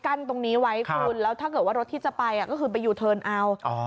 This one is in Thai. อย่างนี้ไว้คุณแล้วถ้าเกิดว่ารถที่จะไปก็คือไปอยู่เทิร์นอาวต์